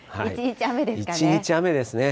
一日雨ですかね。